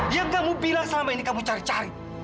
yang kamu bilang selama ini kamu cari cari